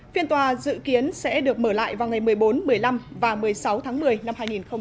phiên tòa dự kiến sẽ được mở lại vào ngày một mươi bốn một mươi năm và một mươi sáu tháng một mươi năm hai nghìn một mươi chín